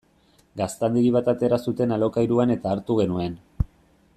Gaztandegi bat atera zuten alokairuan eta hartu genuen.